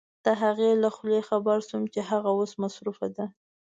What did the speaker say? د هغې له خولې خبر شوم چې هغه اوس مصروفه ده.